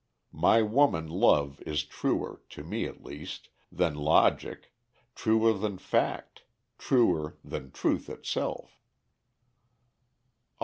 My woman love is truer, to me at least, than logic truer than fact truer than truth itself."